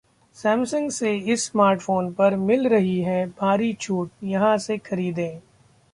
Samsung के इस smartphone पर मिल रही है भारी छूट, यहां से खरीदें